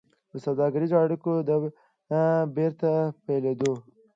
د سوداګريزو اړيکو د بېرته پيلېدو